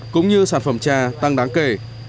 cũng như sản phẩm chà tăng đáng kể